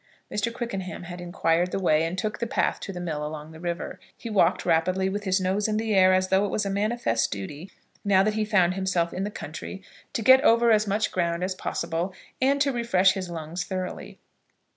Mr. Quickenham had inquired the way, and took the path to the mill along the river. He walked rapidly, with his nose in the air, as though it was a manifest duty, now that he found himself in the country, to get over as much ground as possible, and to refresh his lungs thoroughly.